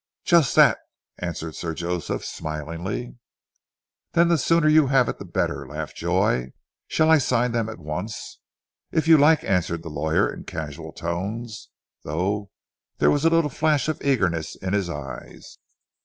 "Just that!" answered Sir Joseph smilingly. "Then the sooner you have it the better," laughed Joy. "Shall I sign them at once?" "If you like," answered the lawyer in casual tones, though there was a little flash of eagerness in his eyes.